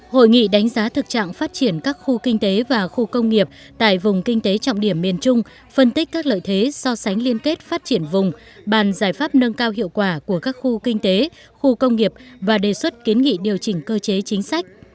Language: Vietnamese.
hội nghị đánh giá thực trạng phát triển các khu kinh tế và khu công nghiệp tại vùng kinh tế trọng điểm miền trung phân tích các lợi thế so sánh liên kết phát triển vùng bàn giải pháp nâng cao hiệu quả của các khu kinh tế khu công nghiệp và đề xuất kiến nghị điều chỉnh cơ chế chính sách